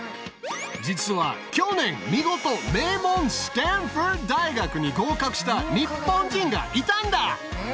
実は去年見事名門スタンフォード大学に合格した日本人がいたんだ！